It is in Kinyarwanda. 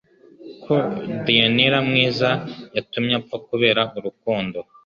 ko Deianira mwiza yatumye apfa kubera urukundo